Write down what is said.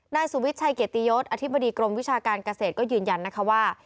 นายสุวิทย์ชัยเกียรติยศอธิบดีกรมวิชาการเกษตรก็ยืนยันนะคะว่า